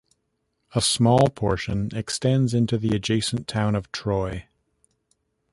A small portion extends into the adjacent Town of Troy.